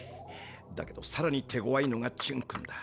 だけどさらに手ごわいのがチュンくんだ。